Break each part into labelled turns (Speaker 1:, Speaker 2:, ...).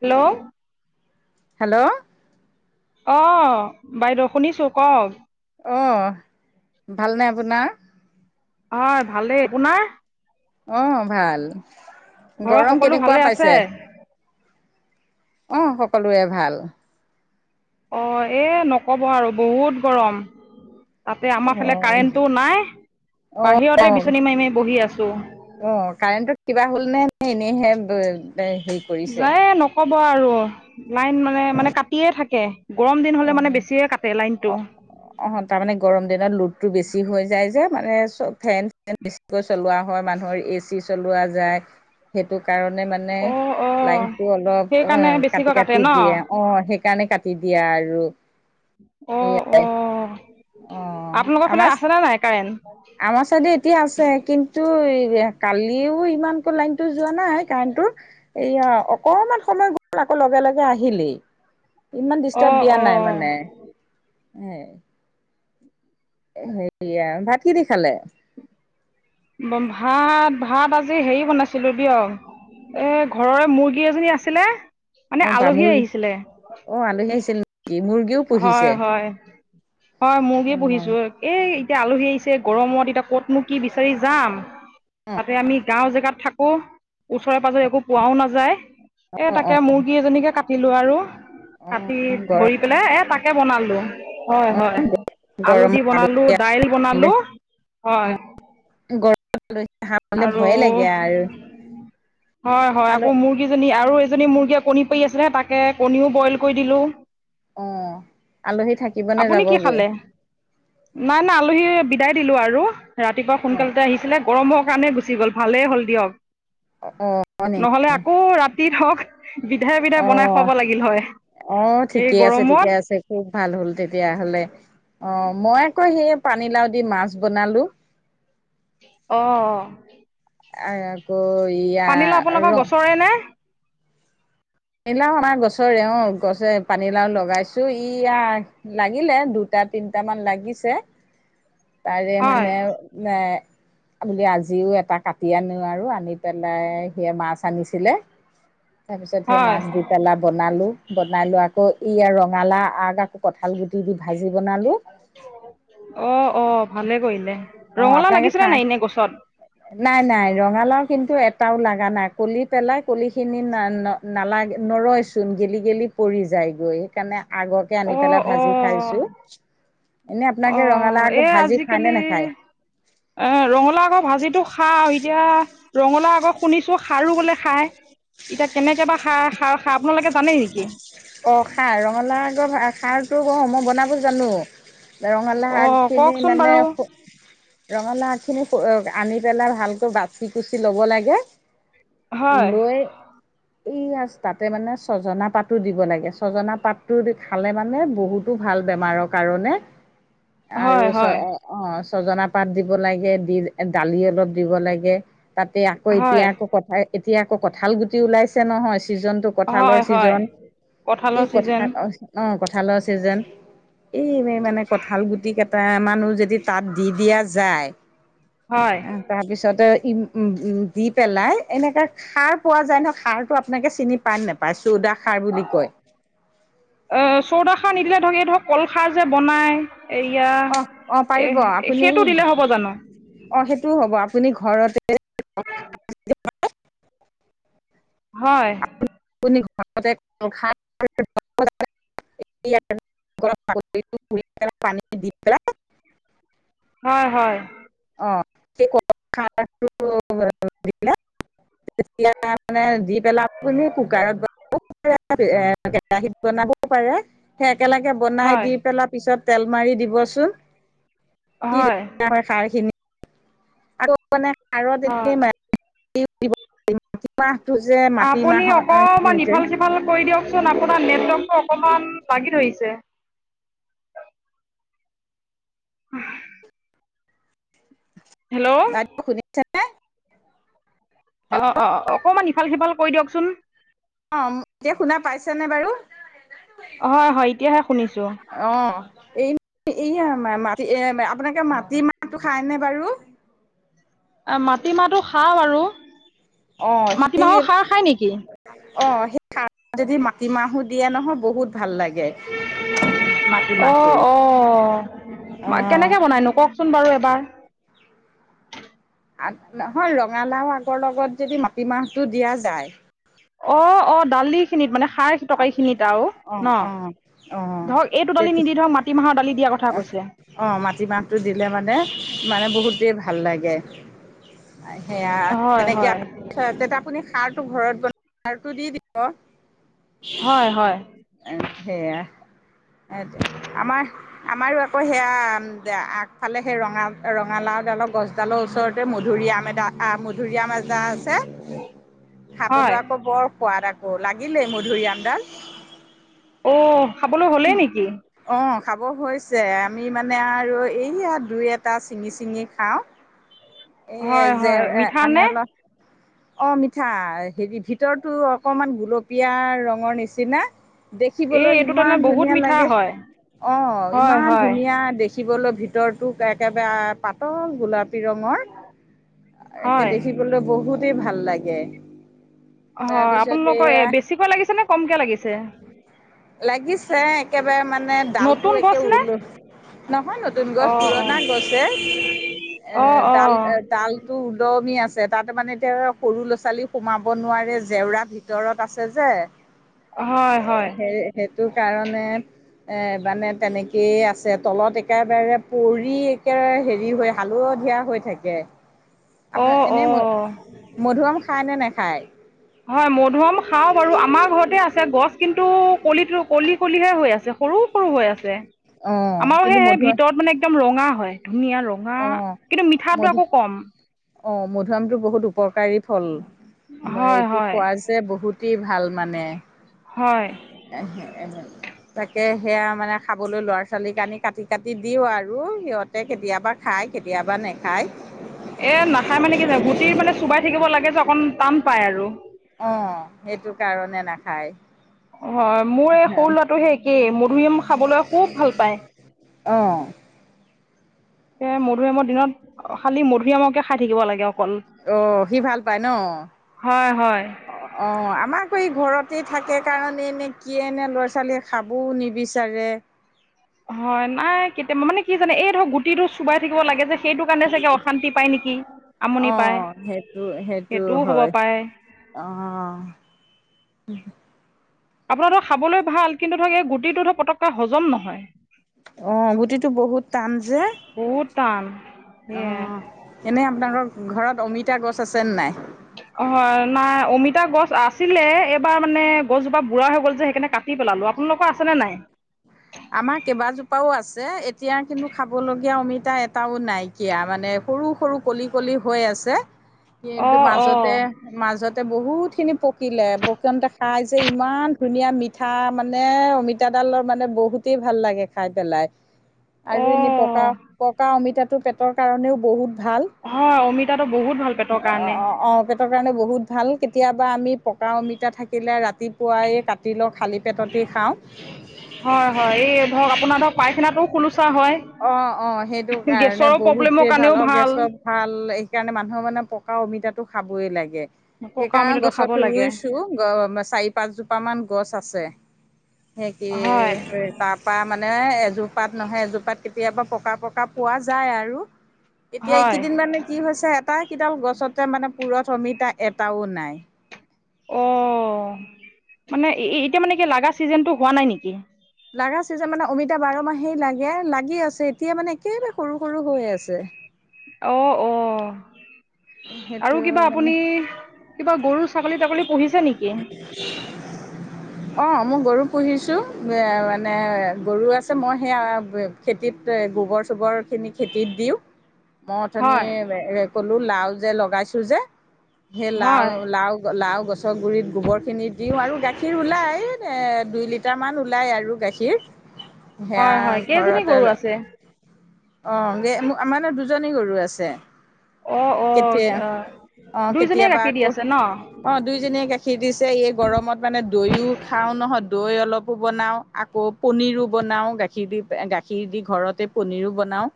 Speaker 1: Hello.
Speaker 2: Hello.
Speaker 1: অ বাইদেউ শুনিছো কওঁক?
Speaker 2: অহ, ভাল নে আপোনাৰ?
Speaker 1: হয় ভালে, আপোনাৰ?
Speaker 2: অহ ভাল,
Speaker 1: ঘৰৰ
Speaker 2: গৰম
Speaker 1: সকলো
Speaker 2: কেনেকুৱা
Speaker 1: ভালে আছে
Speaker 2: পাইছে? অ সকলোৰে ভাল।
Speaker 1: অ এই নক'ব আৰু বহুত গৰম। তাতে আমাৰ
Speaker 2: অ
Speaker 1: ফালে কাৰেণ্টটো নাই,
Speaker 2: অ অ
Speaker 1: বাহিৰতে বিচনী মাৰি মাৰি বহি আছো।
Speaker 2: অ কাৰেণ্টত কিবা হ'ল নে ন এনেইহে হেৰি। কৰিছে
Speaker 1: যায় নকব আৰু লাইন মানে মানে কাতিয়ে থাকে। গৰম দিন হ'লে মানে বেছিয়ে কাটে লাইনটো।
Speaker 2: অহ তাৰমানে গৰম দিনত লোডটো বেছি হৈ যায় যে মানে চব- ফেন চেন বেছিকৈ চলোৱা হয় মানুহৰ এ চি চলোৱা যায়। সেইটো কাৰণে মানে
Speaker 1: অ অ
Speaker 2: লাইনতটো অলপ
Speaker 1: সেইকাৰণে
Speaker 2: এ
Speaker 1: বেছিকৈ
Speaker 2: কাটি
Speaker 1: কাটে
Speaker 2: কাটি
Speaker 1: ন
Speaker 2: দিয়ে,। অঁ, সেইকাৰণে কাটি দিয়া আৰু।
Speaker 1: অঁ, অঁ,
Speaker 2: অ
Speaker 1: আপোনালোকৰ
Speaker 2: আমাৰ
Speaker 1: ফালে আছে না নাই কাৰেন্ট।
Speaker 2: আমাৰ চাইডে এতিয়া আছে কিন্তু এ কালিও ইমানকৈ লাইনতটো যোৱা নাই কাৰেণ্টোৰ। এয়া অকমান সময় গ'ল আকৌ লগে লগে আহিলেই। ইমান
Speaker 1: অ
Speaker 2: ডিষ্টাৰ্ব দিয়া নাই মানে
Speaker 1: অ
Speaker 2: [inaudible] সেয়া ভাত কি দি খালে।
Speaker 1: ব ভাত ভাত আজি হেৰি বনাইছিলো দিয়। এ ঘৰৰে মুৰ্গী এজনী আছিলে। মানে
Speaker 2: অঁ, বা
Speaker 1: আলহী
Speaker 2: মুৰ
Speaker 1: আহিছিলে
Speaker 2: অঁ আলহী আহিছিল নেকি মুৰ্গীও
Speaker 1: হয়
Speaker 2: পুহিছে।
Speaker 1: হয়, হয়, মুৰ্গী
Speaker 2: অ
Speaker 1: পুহীছো। এই এতিয়া আলহী আহিছে গৰমত এতিয়া ক'তনো কি বিচাৰি যাম।
Speaker 2: অ
Speaker 1: তাতে আমি গাঁও জেগাত থাকো ওচৰে পাঁজৰে একো পোৱাও নাযায়। এ
Speaker 2: অ অ
Speaker 1: তাকে মুৰ্গী এজনীকে কাটিলো আৰু
Speaker 2: অ
Speaker 1: কাটি
Speaker 2: গৰম
Speaker 1: ধৈ। প্লে এ তাকে বনলো। হয় হয় আলু
Speaker 2: গৰম
Speaker 1: দি বনালো দাইল বনালো হয়।
Speaker 2: গৰম [inaudible]
Speaker 1: আৰু
Speaker 2: ভয়ে লাগে আৰু।
Speaker 1: হয় হয়
Speaker 2: আল
Speaker 1: আকৌ মো। ৰ্গীজনী আৰু এজনী মুৰ্গীয়ে কণী পাৰি আছে তাকে কণীও বইল কৰি দিলো।
Speaker 2: অঁ।
Speaker 1: আপুনি কি খালে নাই নাই আলহী বিদায় দিলো আৰু। ৰাতিপুৱা
Speaker 2: অ
Speaker 1: সোনকালতে আহিছিলে গৰম হোৱাৰ কাৰণে গুচি গল ভালেই হল দিয়ক।
Speaker 2: অঁ।
Speaker 1: নহলে আকৌ ৰাতি ধওক বিধে বিধে বনাই খুৱাব লাগিল হয়।
Speaker 2: অঁ,
Speaker 1: এই
Speaker 2: ঠিকে আছে
Speaker 1: গৰমত
Speaker 2: ঠিকে আছে খুব ভাল হল তেতিয়াহলে। অঁ, মই আকৌ সেই পানীলাও দি মাছ বনালো।
Speaker 1: অ।
Speaker 2: আকৌ ইয়া ৰ।
Speaker 1: কৰে নে।
Speaker 2: ইলাও আমা গছৰে অ গছে পানীলাও লগাইছোঁ ইয়া। লাগিলে দুটা তিনটা মান লাগিছে তাৰে
Speaker 1: হয়
Speaker 2: মানে এ। [inaudible] আমি আজিও এটা কাটি আনো আৰু আনি পেলাই সিয়ে মাছ আনিছিলে। তাৰপিছত সেইয়া
Speaker 1: হয়
Speaker 2: মাছ দি,। পেলা বনালো বনাই লো আকৌ ই ৰঙালা আগ আকৌ কঁঠাল গুটি দি ভাজি বনালো।
Speaker 1: অঁ, অঁ, ভালে কৰিলে।
Speaker 2: অঁ,
Speaker 1: ৰঙালাও
Speaker 2: আপোনাকে
Speaker 1: লাগিছিলে
Speaker 2: খা।
Speaker 1: নাই এনে গছত
Speaker 2: নাই নাই ৰঙালাও কিন্তু এটাও লাগা নাই কলি পেলাই কলি খিনি না ন। নালাগ নৰয়চোন গেলি গেলি পৰি যায় গৈ। সেইকাৰণে আগকে আনি
Speaker 1: অঁ
Speaker 2: পেলাই ভাজি
Speaker 1: অঁ
Speaker 2: খাইছো,। এনেই আপোনালাকে
Speaker 1: অঁ
Speaker 2: ৰঙালাও আগ
Speaker 1: এই
Speaker 2: ভাজি খাই নে নেখায়।
Speaker 1: আজিকালি এ ৰঙালা আগ ভাজিটো খা-। [inaudible] এতিয়া ৰঙালা আকৌ শুনিছো খাৰু বোলে খাই এতিয়া কেনেকে বা। খাৰ খাৰ খাৰ আপোনালোকে জানে নেকি।
Speaker 2: অ', খাৰ ৰঙালা আগ খাৰটো ক মই বনাব জানো। ৰঙালাও
Speaker 1: অ
Speaker 2: আগখিনি
Speaker 1: কওকচোন
Speaker 2: মানে
Speaker 1: বাৰু
Speaker 2: ফ। ৰঙালাও আগখিনি পো আনি পেলাই ভালকৈ বাচি কুচি ল'ব লাগে।
Speaker 1: হয়
Speaker 2: লৈ এই আ তাতে মানে ছজনা পাত তটো দিব লাগে। ছজনা পাতটো খালে মানে বহুতো ভাল বেমাৰৰ কাৰণে।
Speaker 1: হয়
Speaker 2: আৰু চ
Speaker 1: হয়
Speaker 2: অ অঁ, ছজনা পাত দিব লাগে, দি দালি অলপ দিব লাগে। তাতে আকৌ এতিয়া
Speaker 1: হয়
Speaker 2: আকৌ কঠাঁ এতিয়া আকৌ কঠাঁল গুটি ওলাইছে নহয় ছিজনটো কঠাঁলৰ
Speaker 1: হয় হয়
Speaker 2: ছিজন ই
Speaker 1: কঁঠালৰ ছিজন
Speaker 2: কঠা অঁ, কঠালৰ ছিজন এই মানে কঁঠাল গুটি কেটা মানু যদি তাত দি দিয়া যায়।
Speaker 1: হয়
Speaker 2: অ তাৰ পিছতে ই উম দি পেলাই এনেকা, খাৰ পোৱা যায় ন সাৰটো আপোনালোকে চিনি পাই নোপায় চৌদা খৰ বুলি কয়,
Speaker 1: এ চৌদা খাৰ নিদিলে ধৰক এই ধৰক কলখাৰ যে বনায়,
Speaker 2: অ অ
Speaker 1: এইয়া
Speaker 2: পাৰিব
Speaker 1: এহ সেইটো দিলে হ'ব জানো।
Speaker 2: অঁ, সেইটোও হ'ব আপুনি ঘৰতে
Speaker 1: [unintelligible] হয়।
Speaker 2: আপোনি ঘৰতে কল খাৰ [unintelligible] [unintelligible] পানী দি পেলায়।
Speaker 1: হয় হয়।
Speaker 2: অঁ কল খাৰ টো দি পেনে, [unintelligible] [unintelligible] তেতিয়া মানে দি পেলা আপুনি কুকাৰত বনাও পাৰে এ কেৰাহীত বনাবও পাৰে সে একেলেগে বনাই
Speaker 1: হয়
Speaker 2: দি পেলা পিছত তেল মাৰি দিবচোন। কি
Speaker 1: হয়
Speaker 2: ধুনীয়া হয় খাৰ খিনি। আৰু মানে খাৰৰ
Speaker 1: হয়
Speaker 2: [unintelligible] [unintelligible] টো যে
Speaker 1: আপুনি
Speaker 2: মাটিমাহৰ
Speaker 1: অকণমান
Speaker 2: যে
Speaker 1: ইফাল সিফাল কৰি দিয়ক‌ চোন। আপোনাৰ নেটৱৰ্কটো অকণমান লাগি ধৰিছে। [unintelligible] আহ হেল্লও
Speaker 2: [unintelligible] শুনিছে নে?
Speaker 1: অঁ, অঁ, অকণমান ইফাল সিফাল কৰি দিয়কচোন।
Speaker 2: অঁম, এতিয়া শুনা পাইছেনে বাৰু?
Speaker 1: হয় হয় এতিয়াহে শুনিছোঁ। অঁ
Speaker 2: অঁ এই এই আমাৰ এ আপোনালোকে মাটি মাহটো খাইনে বাৰু?
Speaker 1: মাটিমাহটো খাওঁ আৰু
Speaker 2: অ'
Speaker 1: মাটি
Speaker 2: সেই
Speaker 1: মাহৰ খাৰ খায় নেকি?
Speaker 2: অ', সেই খাৰত যদি মাটি মাহো দিয়ে নহয়, বহুত ভাল লাগে। মাটি মাহটো।
Speaker 1: মা কেনেকে বনাইনো কওঁকচোন বাৰু এবাৰ।
Speaker 2: আগ, নহয় ৰঙালাও আগৰ লগত যদি মাটিমাহটো দিয়া যায়,
Speaker 1: অ', অ', দালি খিনিত মানে সা সাৰ তৰকাৰী খিনিত আও
Speaker 2: অ
Speaker 1: ন
Speaker 2: অ অ
Speaker 1: ধৰক এইটো দালি নিদি ধৰক মাটিমাহৰ দালি দিয়াৰ কথা কৈছে।
Speaker 2: অঁ, মাটিমাহটো দিলে মানে মানে বহুতেই ভাল লাগে। আ, সেয়া
Speaker 1: হয়
Speaker 2: তেনেকে
Speaker 1: হয়
Speaker 2: আপুনি খাৰটো ঘৰত বনাই খাৰটো দি দিব।
Speaker 1: হয় হয়।
Speaker 2: এ, সেয়া এত আমাৰ আমাৰো আকৌ সেয়া দা আগফালে সেই ৰঙা ৰঙালাওঁ ডালৰ গছডালৰ ওচৰত ত মধুৰি আম এজা আছে মধুুৰআম আজা আছে
Speaker 1: হয়
Speaker 2: খাবলৈ আকৌ বৰ সোৱাদ আকৌ লাগিলেই মধুৰি আমডাল
Speaker 1: অ খাবলৈ হ'লে নেকি
Speaker 2: অ খাব হৈছে আমি মানে আৰু এইয়া দুই এটা চিঙি চিঙি খাওঁ এ
Speaker 1: হয়
Speaker 2: জেৰ
Speaker 1: হয় মিঠা
Speaker 2: মানে
Speaker 1: নে
Speaker 2: অলপ অ মিঠা হেৰি ভিতৰতো অকণমান গুলপীয়া ৰঙৰ নিচিনা
Speaker 1: এই
Speaker 2: দেখিবলৈ
Speaker 1: এইটো তেনে
Speaker 2: ইমান
Speaker 1: বহুত
Speaker 2: ধুনীয়া
Speaker 1: মিঠা
Speaker 2: লাগে
Speaker 1: হয়
Speaker 2: অ
Speaker 1: হয়
Speaker 2: ইমান
Speaker 1: হয়
Speaker 2: ধুনীয়া দেখি দেখিবলৌ ভিতৰতোএকেবাৰে পাতল গোলাপী ৰঙৰ একে
Speaker 1: হয়
Speaker 2: দেখিবলৈ বহুতেই ভাল লাগে
Speaker 1: হয়
Speaker 2: তাৰপিছত
Speaker 1: আপোনালোকৰ
Speaker 2: এয়া
Speaker 1: এ বেছিকৈ লাগিছে নে কমকে লাগিছে
Speaker 2: লাগিছে একেবাৰে মানে ডালতো
Speaker 1: নতুন
Speaker 2: একে
Speaker 1: গছনে
Speaker 2: লো নহয় নতুন গছ
Speaker 1: অঁ
Speaker 2: পুৰণা গছে
Speaker 1: অঁ
Speaker 2: এ
Speaker 1: অঁ
Speaker 2: ডাল ডাল ত উলমি আছে তাতে মানে এতিয়া সৰু ল'ৰা ছোৱালী সোমাব নোৱাৰে জেওৰা ভিতৰত আছে যে [unintelligible]
Speaker 1: হয় হয়।
Speaker 2: সে সেইটো কাৰণে এ মানে তেনেকেই আছে তলত একেবাৰে পৰি একোৰে হেৰি হৈ হালধীয়া হৈ থাকে আপোনাৰ
Speaker 1: অঁ
Speaker 2: এনেই ম
Speaker 1: অঁ
Speaker 2: মধুৰিআম খায় নে নেখায়
Speaker 1: হয় মধুৰি আম খাওঁ বাৰু আমাৰ ঘৰতে আছে গছ কিন্তু কলিটো কলি কলিহে হৈ আছে সৰু সৰু হৈ আছে
Speaker 2: অ',
Speaker 1: আমাৰো
Speaker 2: কিন্তু
Speaker 1: সেই
Speaker 2: মধুৰিআম
Speaker 1: ভিতৰত মানে একদম ৰঙা হয় ধুনীয়া ৰঙা
Speaker 2: অ',
Speaker 1: কিন্তু মিঠাটো
Speaker 2: মধু
Speaker 1: আকৌ কম
Speaker 2: অ মধুৰিআমটো বহুত উপকাৰী ফল বা
Speaker 1: হয়
Speaker 2: এইটো
Speaker 1: হয়
Speaker 2: খোৱা যে বহুতেই ভাল মানে
Speaker 1: হয়
Speaker 2: আহ এ তাকে সেয়া মানে খাবলৈ ল'ৰা ছোৱালী কানি কাটি কাটি দিওঁ আৰু সিহঁতে কেতিয়াবা খায় কেতিয়াবা নেখায়
Speaker 1: এ নাখায় মানে কি গুটিৰ মানে চোবাই থাকিব লাগে যে অকন টান পায় আৰু
Speaker 2: অ সেইটো কাৰণে নাখায়
Speaker 1: হয় মোৰ এই সৰু ল'ৰাটোহে একেই মধুৰিয়া আম খাবলৈ খুব ভাল পায়
Speaker 2: অ
Speaker 1: এ মধুৰিআমৰ দিনত খালি মধুৰিআমকে খাই থাকিব লাগে অকল
Speaker 2: অহ সি ভাল পায় ন
Speaker 1: হয় হয়
Speaker 2: অ অ আমাকো এই ঘৰতে থাকে কাৰণে এনে কি এনে ল'ৰা ছোৱালীয়ে খাবও নিবিচাৰে
Speaker 1: হয় নাই কেতিয়াবা মানে কি জানে এই ধৰক গুটি গুটিতো চুবাই থাকিব লাগে যে সেইটো কাৰণে চাগে অশান্তি পায় নেকি আমনি পায়
Speaker 2: অ', সেইটো সেইটো
Speaker 1: সেইটোও হ'ব
Speaker 2: হয়
Speaker 1: পাৰে
Speaker 2: অ
Speaker 1: আপোনাৰ ধৰ খাবলৈ ভাল কিন্তু ধৰক এই গুটিটো ধৰ পটককৈ হজম নহয়
Speaker 2: অ গুটিটো বহুত টান যে
Speaker 1: বহুত টান
Speaker 2: অ
Speaker 1: সেয়াই
Speaker 2: এনেই আপোনালোকৰ ঘৰত অমিতা গছ আছেনে নাই
Speaker 1: অ নাই অমিতা গছ আছিলে এইবাৰ মানে গছজোপা বুঢ়া হৈ গ'ল যে সেইকাৰণে কাটি দি পেলালোঁ আপোনালোকৰ আছেনে নাই
Speaker 2: আমাৰ কেইবাজোপাও আছে এতিয়া কিন্তু খাবলগীয়া অমিতা এটাও নাই সোকীয়া মানে সৰু সৰু কলি কলি হৈ আছে কিন্তু
Speaker 1: অঁ
Speaker 2: মাজত
Speaker 1: অঁ
Speaker 2: মাজতে বহুত খিনি পকিলে পকোতে খাই যে ইমান ধুনীয়া মি ঠা মানে অমিতাডালৰ মানে বহুত অ ভাল লাগে খাই পেলাই আৰু এনেই
Speaker 1: অঁ
Speaker 2: পকা পকা অমিতাটো পেটৰ কাৰণেও বহুত ভাল
Speaker 1: হয় অমিতাটো বহুত ভাল পেটৰ কাৰণে
Speaker 2: অ অ পেটৰ কাৰণে বহুত ভাল কেতিয়াবা আমি পকা অমিতা থাকিলে ৰাতি পুৱাই কাটি লওঁ খালী পেটতে খাওঁ।
Speaker 1: হয়, হয়, এই ধৰক আপোনাৰ ধৰক পাইখানা টো খো
Speaker 2: অ', অ', সেইটো কাৰণে
Speaker 1: গেছৰো প্ৰব্লেমৰ
Speaker 2: বহুতেই ভাল
Speaker 1: কাৰণেও
Speaker 2: অ', গেছৰ ভাল সেইকাৰণে মানুহৰ মানে পকা অমিতাটো খাবই লাগে।
Speaker 1: পকা
Speaker 2: সেইকাৰণে
Speaker 1: অমিতাটো খাব
Speaker 2: গছত
Speaker 1: লাগে
Speaker 2: ৰুইছো। চাৰি পাঁচজোপা মান গছ আছে, সেই কি
Speaker 1: হয়
Speaker 2: তাৰ পৰা মানে এজোপাত নহয় এজোপাত কেতিয়াবা পকা পকা পোৱা যায় আৰু। এতিয়া
Speaker 1: হয়
Speaker 2: এইকেইদিন মানে কি হৈছে আটাইকেইডাল গছতে মানে পুৰঠ অমিতা এটাও নাই।
Speaker 1: অ', মানে এতিয়া মানে কি লাগা চিজনটো হোৱা নাই নেকি?
Speaker 2: লগা চিজন মানে অমিতা বাৰ মাহেই লাগে লাগি আছে এতিয়া মানে একেবাৰে সৰু সৰু হৈ আছে।
Speaker 1: অ', অ', আৰু
Speaker 2: সেইটো
Speaker 1: কিবা
Speaker 2: মানে
Speaker 1: আপুনি কিবা গৰু ছাগলী-তাগলী পুহিছে নেকি?
Speaker 2: অ মই গৰু পুহিছো এ মানে গৰু আছে মই সেইয়া খেতিত গোবৰ চোবৰখিনি খেতিত দিও মই অথনি
Speaker 1: হয়
Speaker 2: ক'লো লাও যে লগাইছো যে সেই লাও,
Speaker 1: হয়
Speaker 2: লাও, লাও গছ ৰ গুৰিত গোবৰ খিনি দিও আৰু গাখীৰ ওলাই এ দুই লিটাৰ লিটাৰমান ওলায় আৰু গাখীৰ
Speaker 1: হয় হয়
Speaker 2: সেয়া
Speaker 1: কেইজনী
Speaker 2: ঘৰত
Speaker 1: গৰু আছে
Speaker 2: অ', গ মোক আমাৰ মানে দুজনী গৰু আছে।
Speaker 1: অঁ অঁ
Speaker 2: কেতিয়া, অ',
Speaker 1: দুইজনীয়ে
Speaker 2: কেতিয়াবা
Speaker 1: গাখীৰ দি
Speaker 2: আকৌ
Speaker 1: আছে ন
Speaker 2: অ', দুইজনীয়ে গাখীৰ দিছে এই গৰমত মানে দৈও খাও নহয়। দৈ অলপো বনাওঁ, আকৌ পনিৰো বনাওঁ গাখীৰ দি গাখীৰ দি ঘৰতে পনীৰো বনাওঁ।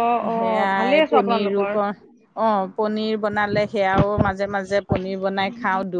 Speaker 1: অঁ অঁ
Speaker 2: সেয়াই এই
Speaker 1: ভালেই আছোঁ
Speaker 2: পনিৰ
Speaker 1: আপোনালোকৰ
Speaker 2: অকণ অ', পনিৰ বনালে সেয়াও মাজে মাজে পনিৰ বনাই খাও দু